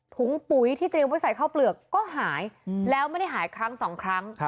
ถุงปุ๋ยที่เตรียมไว้ใส่ข้าวเปลือกก็หายแล้วไม่ได้หายครั้งสองครั้ง